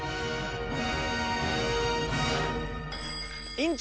院長！